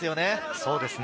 そうですね。